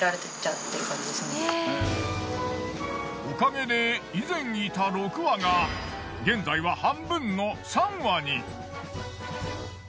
おかげで以前いた６羽が現在は半分の３羽に。